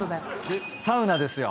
サウナですよ。